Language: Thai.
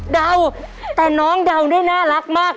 เดาแต่น้องเดาได้น่ารักมาก